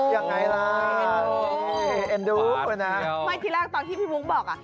อย่างไรล่ะเอ็นดูก่อนนะวันที่แรกตอนที่พี่บุ๊คบอก